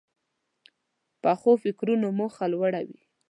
پخو فکرونو موخه لوړه وي